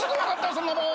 そんなもん。